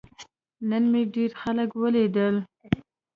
نن مې ډیر خلک ولیدل.